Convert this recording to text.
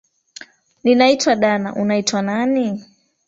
Ninaitwa dana, unaitwa nani?